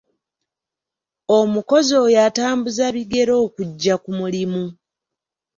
Omukozi oyo atambuza bigere okujja ku mulimu.